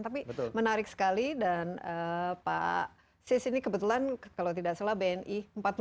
tapi menarik sekali dan pak sis ini kebetulan kalau tidak salah bni empat puluh lima